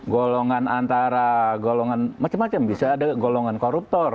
golongan antara golongan macam macam bisa ada golongan koruptor